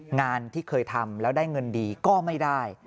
งานที่เคยทำแล้วได้เงินดีก็ไม่ได้